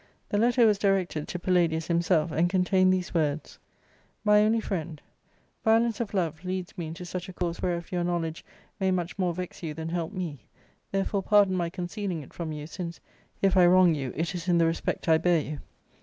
The letter was directed to Palladius himself, and contained these words :—My only Friend, — Vinlenrg n£lnvf leads me into such a com se whereof your knowledge may much more vex you than help me ; therefore pardon my concealing it from you, since, if I wrong you, it is in the respect I bear you.